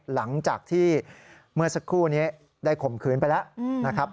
หลังจากที่เมื่อสักครู่นี้ได้ข่มขืนไปแล้วนะครับ